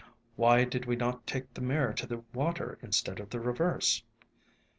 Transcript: Why did we not take the mare to the water instead of the reverse